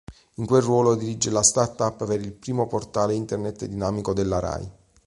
In quel ruolo dirige la startup per il primo portale Internet dinamico della Rai.